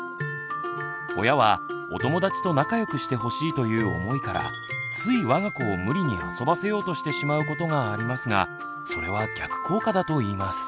親は「お友達と仲良くしてほしい」という思いからついわが子を無理に遊ばせようとしてしまうことがありますがそれは逆効果だといいます。